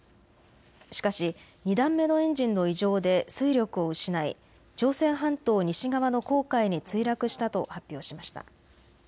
しかし２段目のエンジンの異常で推力を失い、朝鮮半島西側の黄海に墜落したと発表しました。